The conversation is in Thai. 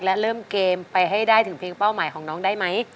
และเริ่มเกมไปให้ได้ถึงเพลงเป้าหมายของน้องได้ไหม